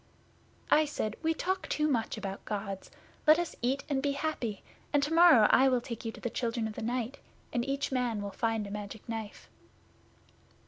I said, "We talk too much about Gods. Let us eat and be happy, and tomorrow I will take you to the Children of the Night, and each man will find a Magic Knife."